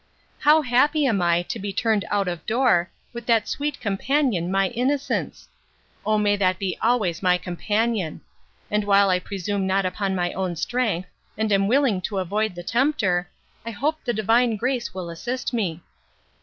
How happy am I, to be turned out of door, with that sweet companion my innocence!—O may that be always my companion! And while I presume not upon my own strength, and am willing to avoid the tempter, I hope the divine grace will assist me.